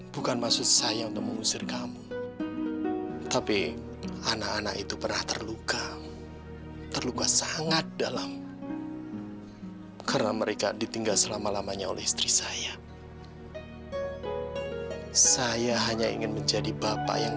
riki kamu harus istirahat ya kamu harus tidur siang